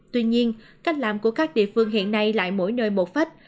tuy nhiên cách làm của các địa phương hiện nay lại mỗi nơi một phách